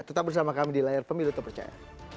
tetap bersama kami di layar pemilu terpercaya